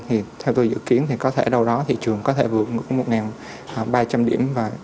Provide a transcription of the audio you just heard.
thì theo tôi dự kiến thì có thể đâu đó thị trường có thể vượt một ba trăm linh điểm